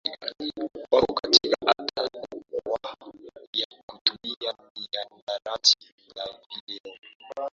wako katika hatar kubwa ya kutumia mihadarati na vileo